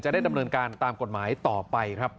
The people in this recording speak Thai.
ได้ดำเนินการตามกฎหมายต่อไปครับ